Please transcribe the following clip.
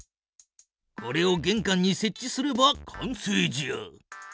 これをげんかんにせっ置すれば完成じゃ。